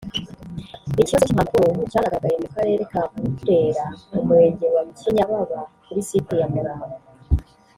Ikibazo cy’impapuro cyanagaragaye mu Karere ka Burera mu Murenge wa Kinyababa kuri site ya Murambo